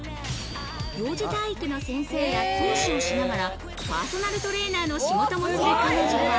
幼児体育の先生や講師をしながらパーソナルトレーナーの仕事をする彼女は。